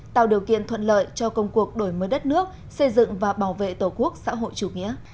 tạo điều kiện thuận lợi cho công cuộc đổi mới đất nước xây dựng và bảo vệ tổ quốc xã hội chủ nghĩa